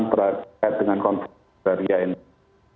terkait dengan konflik agraria ini